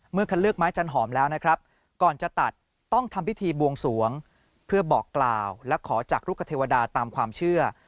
คัดเลือกไม้จันหอมแล้วนะครับก่อนจะตัดต้องทำพิธีบวงสวงเพื่อบอกกล่าวและขอจากลูกคเทวดาตามความเชื่อ